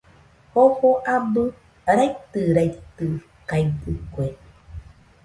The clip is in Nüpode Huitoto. Jofo abɨ raitɨraitɨkaɨdɨkue.